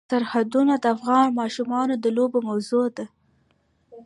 سرحدونه د افغان ماشومانو د لوبو موضوع ده.